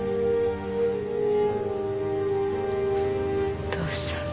お父さん。